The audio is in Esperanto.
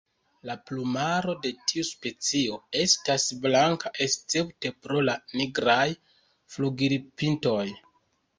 La plumaro de tiu specio estas blanka escepte pro la nigraj flugilpintoj.